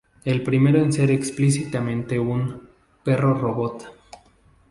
El primero en ser explícitamente un "perro robot".